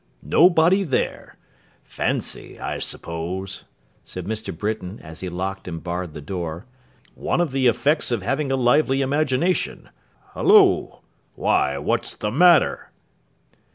Nobody there. Fancy, I suppose,' said Mr. Britain, as he locked and barred the door. 'One of the effects of having a lively imagination. Halloa! Why, what's the matter?